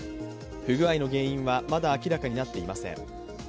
不具合の原因はまだ明らかになっていません。